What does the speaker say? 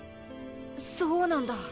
そうなんだ。